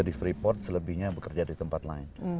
di freeport selebihnya bekerja di tempat lain